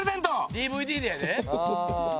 「ＤＶＤでやで」